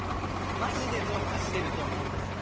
マジでどうかしてると思うんですよ。